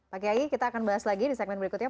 pak kiai kita akan bahas lagi di segmen berikutnya